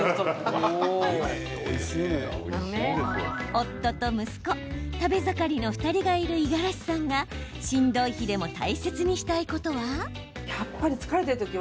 夫と息子、食べ盛りの２人がいる五十嵐さんがしんどい日でも大切にしたいことは？